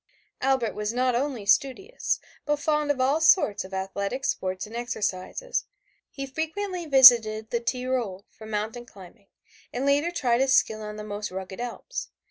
Albert was not only studious, but fond of all sorts of athletic sports and exercises. He frequently visited the Tyrol for mountain climbing, and later tried his skill on the most rugged Alps.